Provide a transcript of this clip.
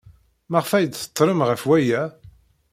Maɣef ay d-tettrem ɣef waya?